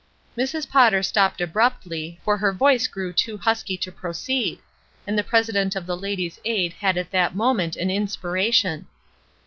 Mrs. Potter stopped abruptly, for her voice grew too husky to proceed, and the president of the Ladies' Aid had at that moment an inspira tion.